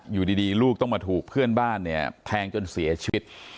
อยู่ดีลูกต้องมาถูกเพื่อนบ้านเนี่ยแทงจนเสียชีวิต